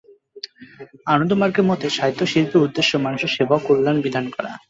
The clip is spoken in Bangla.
আনন্দমার্গের মতে, সাহিত্য ও শিল্পের উদ্দেশ্য মানুষের সেবা ও কল্যাণ বিধান করা।